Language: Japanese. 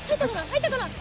入ったかな？